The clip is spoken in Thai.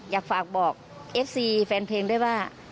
อยากฝากบอกเอฟซีแฟนเพลงด้วยว่า